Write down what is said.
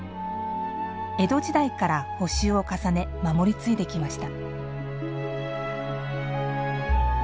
江戸時代から補修を重ね守り継いできました。